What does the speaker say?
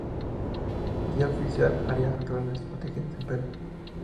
Guía Oficial Áreas Naturales Protegidas de Perú